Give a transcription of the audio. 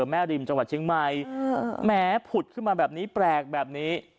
แม่ริมจังหวัดเชียงใหม่แหมผุดขึ้นมาแบบนี้แปลกแบบนี้